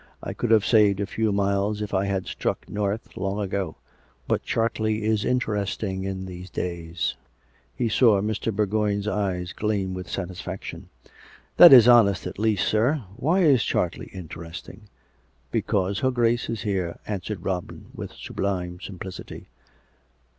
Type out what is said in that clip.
I could have saved a few miles if I had struck north long ago. But Chartley is interesting in these days." (He saw Mr. Bourgoign's eyes gleam with satisfaction.) " That is honest at least, sir. And why is Chartley interesting? "" Because her Grace is here," answered Robin with sub lime simplicity.